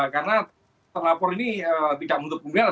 karena terlapor ini tidak untuk pemeriksaan